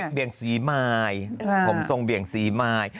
เบี่ยงสีไมล์เดดผมส่งเบี่ยงสีไมล์